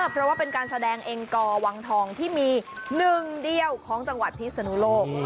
เพราะว่าเป็นการแสดงเองกอวังทองที่มีหนึ่งเดียวของจังหวัดพิศนุโลก